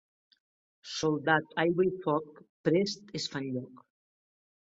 Soldat, aigua i foc prest es fan lloc.